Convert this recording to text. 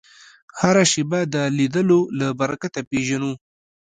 هره شېبه د لیدلو له برکته پېژنو